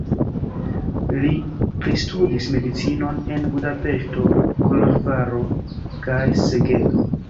Li pristudis medicinon en Budapeŝto, Koloĵvaro kaj Segedo.